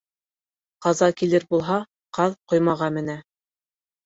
Ҡаза килер булһа, ҡаҙ ҡоймаға менә.